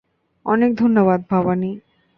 অনেক ধন্যবাদ, ভবানী।